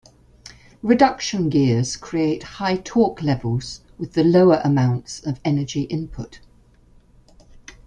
Reduction gears create high torque levels with the lower amounts of energy input.